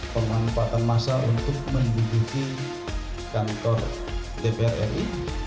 pemanfaatan masa untuk menduki kantor dpr ni